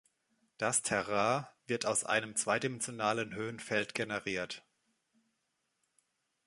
Das Terrain wird aus einem zweidimensionalen Höhenfeld generiert.